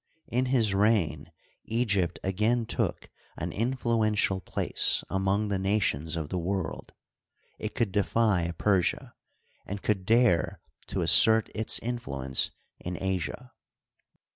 In his reign Egypt again took an influential place among the nations of the world ; it could defy Persia, arid could dare to as sert its influence in Asia.